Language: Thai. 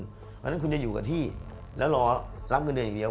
เพราะฉะนั้นคุณจะอยู่กับที่แล้วรอรับเงินเดือนอย่างเดียว